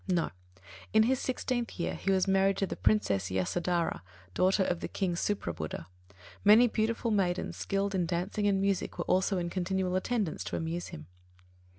No; in his sixteenth year he was married to the Princess Yasodharā, daughter of the King Suprabuddha. Many beautiful maidens, skilled in dancing and music, were also in continual attendance to amuse him.